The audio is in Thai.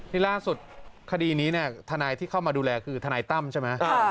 นี่ล่าสุดคดีนี้เนี่ยทนายที่เข้ามาดูแลคือทนายตั้มใช่ไหม